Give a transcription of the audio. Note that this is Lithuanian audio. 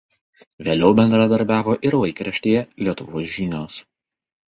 Vėliau bendradarbiavo ir laikraštyje „Lietuvos žinios“.